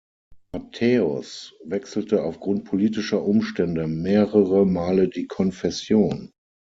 Matthäus wechselte aufgrund politischer Umstände, mehrere Male die Konfession.